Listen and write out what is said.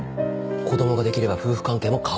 子供ができれば夫婦関係も変わる。